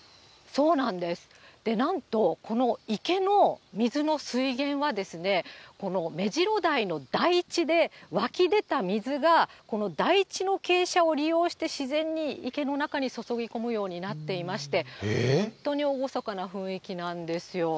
なんと、この池の水の水源は、この目白台の台地で湧き出た水が、この台地の傾斜を利用して自然に池の中に注ぎ込むようになっていまして、本当に厳かな雰囲気なんですよ。